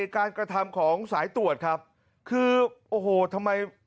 การกระทำของสายตรวจครับคือโอ้โหทำไม